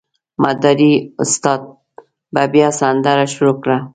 مداري استاد به بیا سندره شروع کړه.